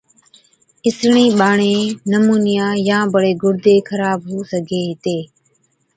اِسڙين ٻاڙين نمونِيا يان بڙي گُڙدي خراب هُو سِگھي هِتي۔